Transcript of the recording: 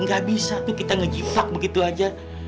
nggak bisa tuh kita ngejipak begitu aja